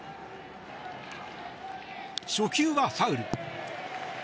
初球はファウル。